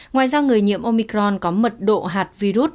ngoài ra người nhiễm omicron có mật độ hạt virus